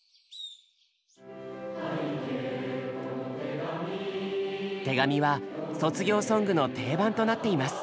「拝啓この手紙」「手紙」は卒業ソングの定番となっています。